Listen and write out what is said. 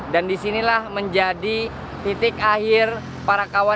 dan disinilah menjadi titik akhir para kawanan